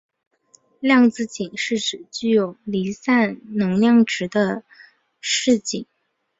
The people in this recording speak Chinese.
量子阱是指具有离散能量值的势阱。